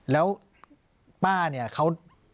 แล้วป้าเนี่ยเขา